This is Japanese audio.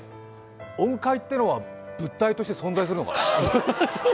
音階っていうのは物体として存在するのかな？